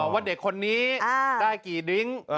ว่าเด็กคนนี้ได้กี่ดิ้ง